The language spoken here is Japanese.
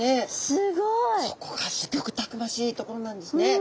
すごい！そこがすギョくたくましいところなんですね。